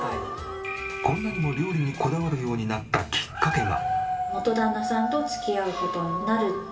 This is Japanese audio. こんなにも料理にこだわるようになったきっかけが。